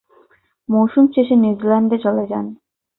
মৌসুম শেষে নিউজিল্যান্ডে চলে যান।